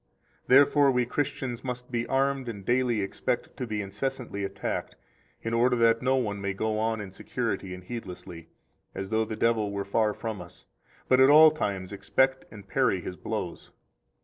109 Therefore we Christians must be armed and daily expect to be incessantly attacked, in order that no one may go on in security and heedlessly, as though the devil were far from us, but at all times expect and parry his blows.